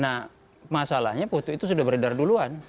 nah masalahnya foto itu sudah beredar duluan